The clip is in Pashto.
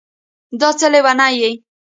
دا څه لېونی یې